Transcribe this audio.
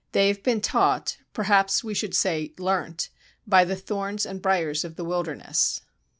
] They have been taught (perhaps we should say learnt) by the thorns and briers of the wilderness.